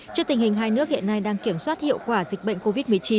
trước tình hình hai nước hiện nay đang kiểm soát hiệu quả dịch bệnh covid một mươi chín